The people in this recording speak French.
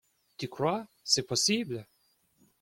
Tu crois ? c’est possible !